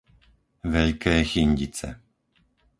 Veľké Chyndice